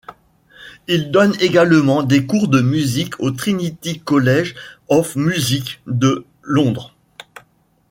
Il donne également des cours de musique au Trinity College of Music de Londres.